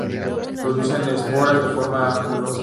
Producen esporas de forma angulosa.